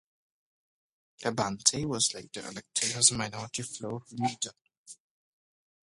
Abante was later elected as Minority Floor Leader.